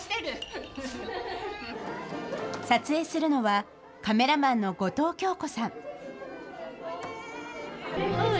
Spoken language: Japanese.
撮影するのは、カメラマンの後藤京子さん。